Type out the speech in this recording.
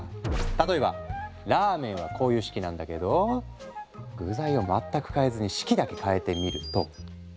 例えばラーメンはこういう式なんだけど具材を全く変えずに式だけ変えてみると。